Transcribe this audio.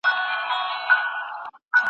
بغدادي قاعده په څنګ کي توری ورک د الف لام دی `